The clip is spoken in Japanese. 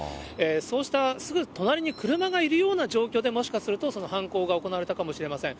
そうしたすぐ隣に車がいるような状況で、もしかするとその犯行が行われたかもしれません。